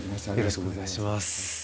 よろしくお願いします。